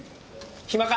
暇か？